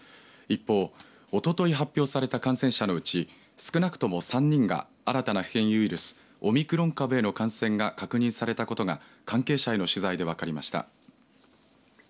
一方、おととい発表された感染者のうち少なくとも３人が新たな変異ウイルスオミクロン株への感染が確認されたことが関係者への取材で分かりました。